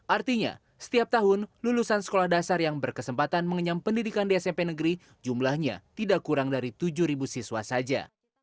artinya setiap tahun lulusan sekolah dasar yang berkesempatan mengenyam pendidikan di smp negeri jumlahnya tidak kurang dari tujuh siswa saja